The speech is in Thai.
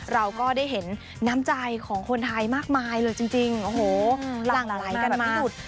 เราก็ได้เห็นน้ำใจของคนไทยมากมายเลยจริงโอ้โหหลั่งไหลกันไม่หยุด